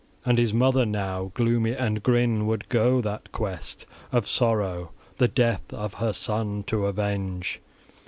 And his mother now, gloomy and grim, would go that quest of sorrow, the death of her son to avenge.